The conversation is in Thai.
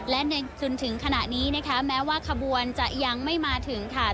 และในจนถึงขณะนี้นะคะแม้ว่าขบวนจะยังไม่มาถึงค่ะ